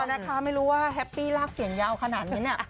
นะคะไม่รู้ว่าแฮปปี้ลากเสียงยาวขนาดนี้เนี่ย